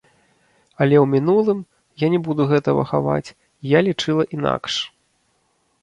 Але ў мінулым, я не буду гэтага хаваць, я лічыла інакш.